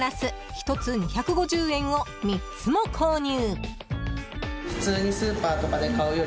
１つ２５０円を３つも購入。